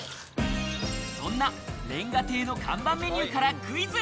そんな煉瓦亭の看板メニューから看板クイズ。